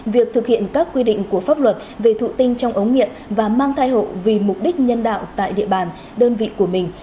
việc thực hiện các quy định của pháp luật về thụ tinh trong ống nghiệm và mang thai hộ vì mục đích nhân đạo tại địa bàn đơn vị của mình